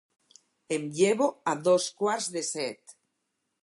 Em llevo a dos quarts de set.